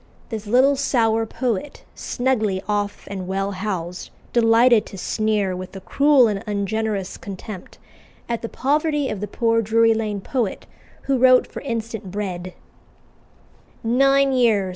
The little sour poet, snugly off and well housed, delighted to sneer, with a cruel and ungenerous contempt, at the poverty of the poor Drury Lane poet who wrote for instant bread: "'Nine years!